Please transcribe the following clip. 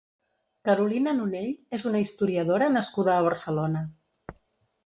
Carolina Nonell és una historiadora nascuda a Barcelona.